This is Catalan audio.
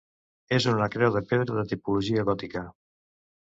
És una creu de pedra de tipologia gòtica.